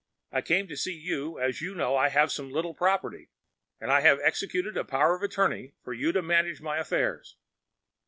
I came to see you, as you know I have some little property, and I have executed a power of attorney for you to manage my affairs.